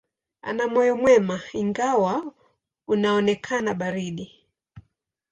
Ana moyo mwema, ingawa unaonekana baridi.